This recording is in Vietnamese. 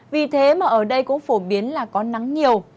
vì thế mà ở đây cũng phổ biến là có nắng nhiều